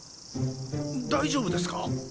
大丈夫ですか？